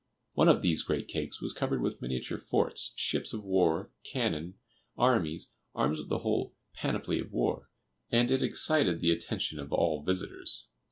One of these great cakes was covered with miniature forts, ships of war, cannon, armies, arms of the whole "panoply of war," and it excited the attention of all visitors.